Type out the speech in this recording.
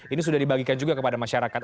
ini sudah dibagikan juga kepada masyarakat